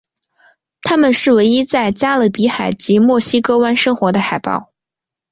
它们是唯一在加勒比海及墨西哥湾生活的海豹。